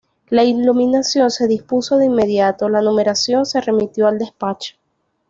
La iluminación se dispuso de inmediato, la numeración se remitió al despacho.